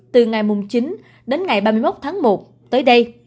từ ngày chín đến ngày ba mươi một tháng một tới đây